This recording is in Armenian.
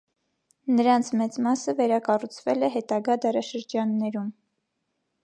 Նրանց մեծ մասը վերակառուցվել է հետագա դարաշրջաններում։